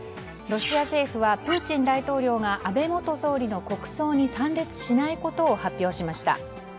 ロシア政府はプーチン大統領が安倍元総理の国葬に参列しないことを発表しました。